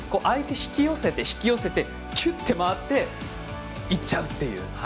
相手引き寄せて、引き寄せてきゅって回って行っちゃうっていう。